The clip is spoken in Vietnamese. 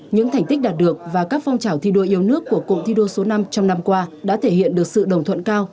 những thành tích đạt được và các phong trào thi đua yêu nước của cụm thi đua số năm trong năm qua đã thể hiện được sự đồng thuận cao